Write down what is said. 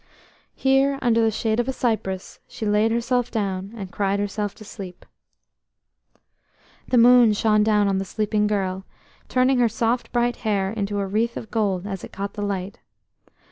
Here, under the shade of a cypress, she laid herself down, and cried herself to sleep. The moon shone down on the sleeping girl, turning her soft bright hair into a wreath of gold as it caught the light.